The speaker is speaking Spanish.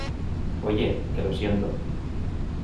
oye, que lo siento.